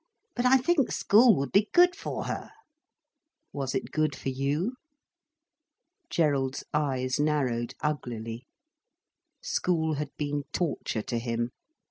But I think school would be good for her." "Was it good for you?" Gerald's eyes narrowed uglily. School had been torture to him.